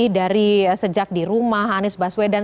dari sejak di rumah anies baswedan